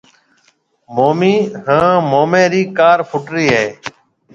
مومَي هانَ مومِي رِي ڪار ڦوٽرِي هيَ۔